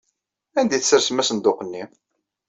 Anda ay tessersem asenduq-nni?